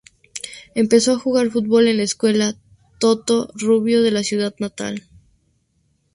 Empezó a jugar fútbol en la escuela Toto Rubio de su ciudad natal.